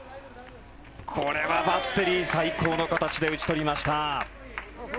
これはバッテリー最高の形で打ち取りました。